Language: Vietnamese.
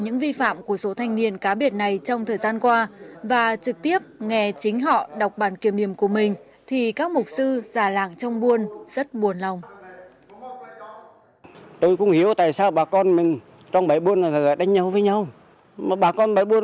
những hình ảnh dân gian thân quen trong ký ức